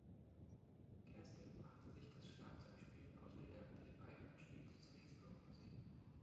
Kersting brachte sich das Schlagzeugspiel autodidaktisch bei und spielte zunächst Rockmusik.